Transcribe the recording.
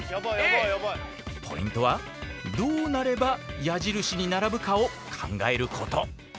ポイントはどうなれば矢印に並ぶかを考えること。